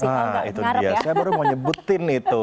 nah itu dia saya baru mau nyebutin itu